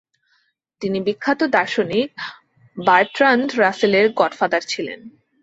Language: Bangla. তিনি বিখ্যাত দার্শনিক বার্ট্রান্ড রাসেলের গডফাদার ছিলেন।